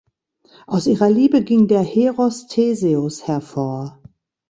Aus ihrer Liebe ging der Heros Theseus hervor.